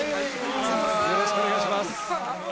よろしくお願いします。